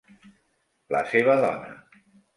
La seva dona.